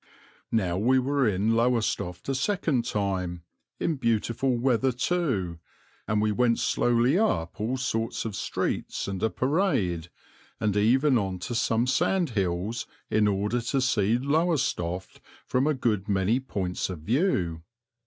Now we were in Lowestoft a second time, in beautiful weather too, and we went slowly up all sorts of streets and a parade, and even on to some sand hills in order to see Lowestoft from a good many points of view.